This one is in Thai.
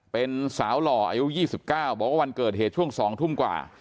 เป็นสาวหล่ออายุ๒๙บอกว่าวันเกิดเหตุช่วง๒ทุ่มกว่า